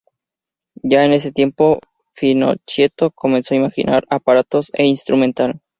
Ya en ese tiempo, Finochietto comenzó a imaginar aparatos e instrumental.